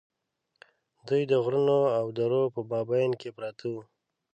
دوی د غرونو او درو په مابین کې پراته وو.